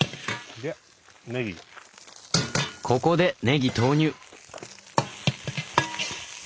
ここでねぎ投入！